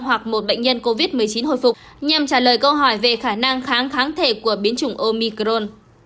hoặc một bệnh nhân covid một mươi chín hồi phục nhằm trả lời câu hỏi về khả năng kháng kháng thể của biến chủng omicron